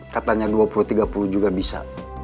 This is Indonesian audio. katanya dua puluh tiga puluh juga bisa